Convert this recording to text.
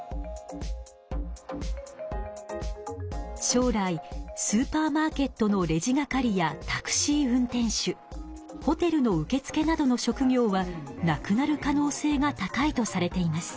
将来スーパーマーケットのレジ係やタクシー運転手ホテルの受付などの職業はなくなる可能性が高いとされています。